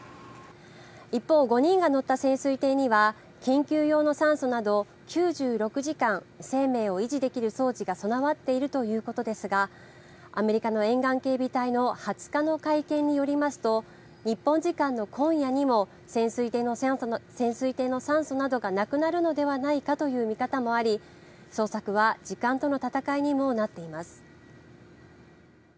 一方、５人が乗った潜水艇には緊急用の酸素など９６時間生命を維持できる装置が備わっているということですがアメリカの沿岸警備隊の２０日の会見によりますと日本時間の今夜にも潜水艇の酸素などがなくなるのではないかという見方もあり捜索は時間との闘いにもなっています。